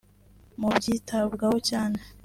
Mu byitabwaho cyane